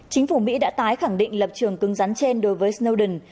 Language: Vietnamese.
chính phủ mỹ đã tái khẳng định lập trường cứng rắn trên đối với snowden